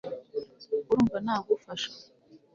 urumva nagufasha